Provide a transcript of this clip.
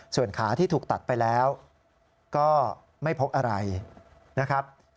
ส่วนขาที่ถูกตัดไปแล้วก็ไม่พบอะไรนะครับ